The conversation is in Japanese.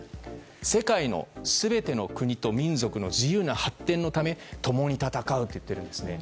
世界の全ての国と民族の自由な発展のため共に戦うと言っているんですね。